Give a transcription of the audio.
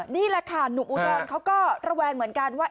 นี่แหละค่ะหนุ่มอุดรเขาก็ระแวงเหมือนกันว่า